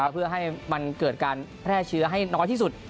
เพื่อให้มันเกิดการแพร่เชื้อให้น้อยที่สุด